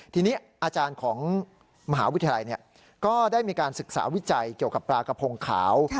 ทีนี้อาจารย์ของมหาวิทยาลัยก็ได้มีการศึกษาวิจัยเกี่ยวกับปลากระพงขาว